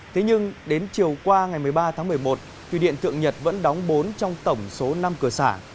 thế nhưng đến chiều qua ngày một mươi ba tháng một mươi một thủy điện thượng nhật vẫn đóng bốn trong tổng số năm cửa xã